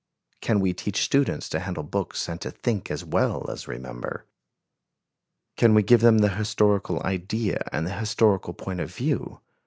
Can we teach students to handle books and to think as well as remember? Can we give them the historical idea and the historical point of view?